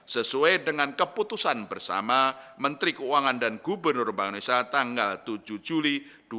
sesuai dengan keputusan bersama menteri keuangan dan gubernur bank indonesia tanggal tujuh juli dua ribu dua puluh